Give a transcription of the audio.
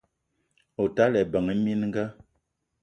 O tala ebeng minga